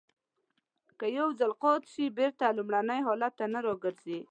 که یو ځلی قات شي بېرته لومړني حالت ته نه را گرځي.